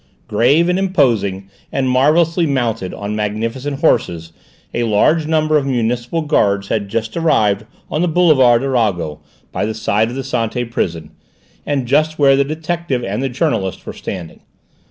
Grave and imposing, and marvellously mounted on magnificent horses, a large number of municipal guards had just arrived on the boulevard Arago, by the side of the Santé prison, and just where the detective and the journalist were standing.